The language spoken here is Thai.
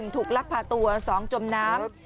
ลักพาตัว๒จมน้ำ